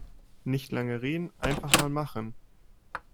Nicht lange reden, einfach mal machen!